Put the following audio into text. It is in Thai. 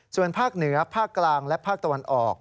ส่วนภาคเหนือภาคกลางและภาคตะวันออก